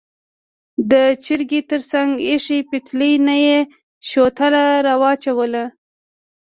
د چرګۍ تر څنګ ایښې پتیلې نه یې شوتله راواچوله.